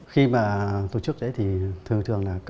khi mà tổ chức đấy thì thường thường là xe lạ